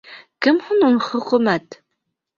Кем һуң ул хөкүмәт?